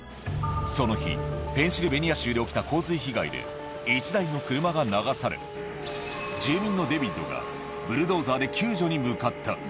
その日、ペンシルベニア州で起きた洪水被害で、１台の車が流され、住民のデビッドがブルドーザーで救助に向かった。